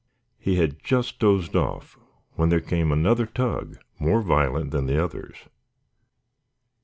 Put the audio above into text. He had just dozed off when there came another tug more violent than the others.